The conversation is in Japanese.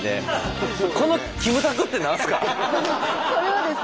これはですね